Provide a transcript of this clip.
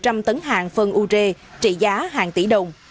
thiếu hơn một trăm linh tấn hàng phân ure trị giá hàng tỷ đồng